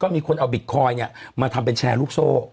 มีคนเอาบิตคอยน์มาทำเป็นแชร์ลูกโซ่